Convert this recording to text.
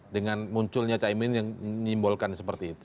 dengan munculnya pak cak imin yang menyimbolkan seperti itu